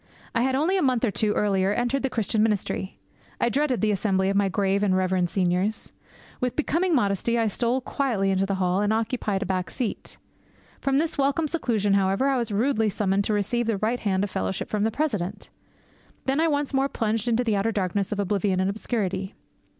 I had only a month or two earlier entered the Christian ministry. I dreaded the Assembly of my grave and reverend seniors. With becoming modesty, I stole quietly into the hall and occupied a back seat. From this welcome seclusion, however, I was rudely summoned to receive the right hand of fellowship from the President. Then I once more plunged into the outer darkness of oblivion and obscurity.